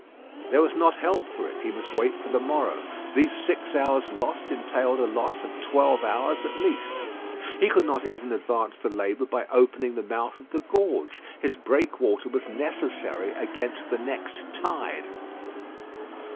There was not help for it. He must wait for the morrow. These six hours lost, entailed a loss of twelve hours at least. He could not even advance the labour by opening the mouth of the gorge. His breakwater was necessary against the next tide.